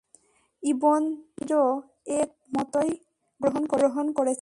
ইবন জারীরও এ মতই গ্রহণ করেছেন।